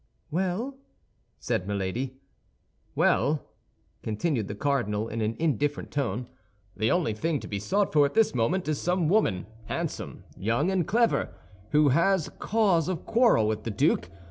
"Well?" said Milady. "Well," continued the cardinal, in an indifferent tone, "the only thing to be sought for at this moment is some woman, handsome, young, and clever, who has cause of quarrel with the duke.